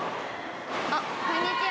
あこんにちは。